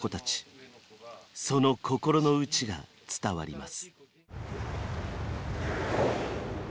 その心の内が伝わります。